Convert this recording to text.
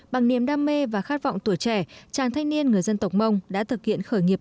bằng niềm đam mê và khát vọng tuổi trẻ chàng thanh niên người dân tộc mông đã thực hiện khởi nghiệp